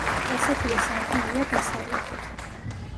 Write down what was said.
ასეთივე სარკმელია დასავლეთით.